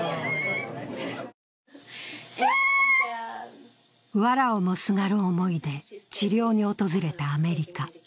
ひゃーわらをもすがる思いで治療に訪れたアメリカ。